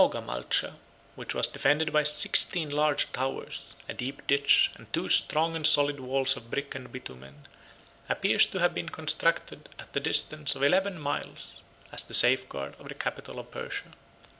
] The city or rather fortress, of Maogamalcha, which was defended by sixteen large towers, a deep ditch, and two strong and solid walls of brick and bitumen, appears to have been constructed at the distance of eleven miles, as the safeguard of the capital of Persia.